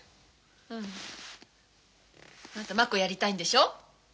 うん。あんた摩子やりたいんでしょ？